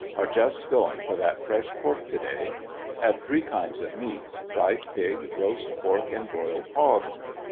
Are just going for that fresh pork to day. Have three kinds of meat — fried pig, roast pork and broiled hog.